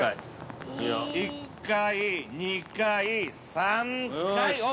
◆１回、２回、３回。